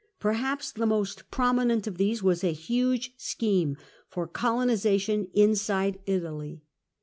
Perhaps the most prominent of these was a huge scheme for colonisa tion inside Italy.